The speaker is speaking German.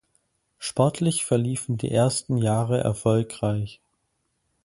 Sportlich verliefen die ersten Jahre erfolgreich.